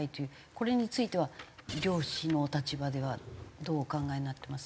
これについては漁師のお立場ではどうお考えになってます？